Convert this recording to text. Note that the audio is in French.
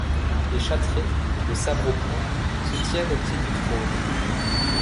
Les châtrés, le sabre au poing, se tiennent au pied du trône.